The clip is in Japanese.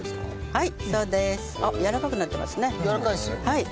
はい。